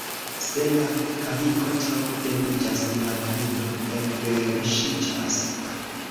Se la kaliko tro pleniĝas, la vino elverŝiĝas.